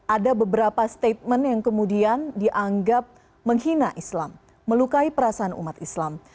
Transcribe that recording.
ada beberapa statement yang kemudian dianggap menghina islam melukai perasaan umat islam